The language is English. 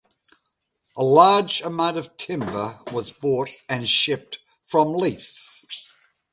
A large amount of timber was bought and shipped from Leith.